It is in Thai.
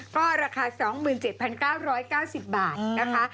ก็ราคา๒๗๙๙๐บาทนะคะ